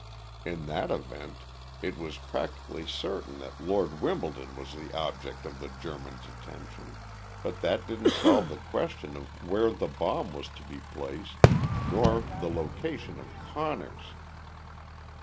In that event, it was practically certain that Lord Wimbledon was the object of the Germans' attention but that didn't solve the question of where the bomb was to be placed, nor the location of "Conner's."